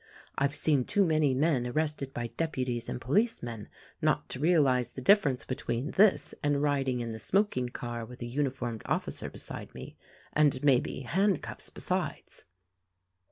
I've seen too many men arrested by deputies and policemen not to realize the difference between this and riding in the smoking car with a uni formed officer beside me — and maybe, handcuffs besides."